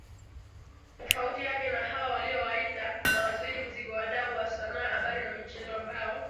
tofauti yake na hao aliowaita mawaziri mizigoWadau wa sanaa habari na michezo ambao